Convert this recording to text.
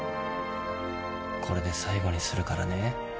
これで最後にするからね。